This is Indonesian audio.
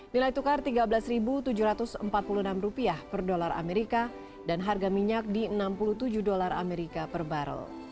nilai tukar rp tiga belas tujuh ratus empat puluh enam per dolar amerika dan harga minyak di enam puluh tujuh dolar amerika per barrel